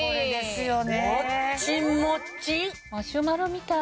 マシュマロみたい。